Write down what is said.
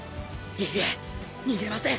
いいえ逃げません